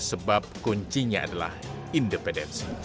sebab kuncinya adalah independensi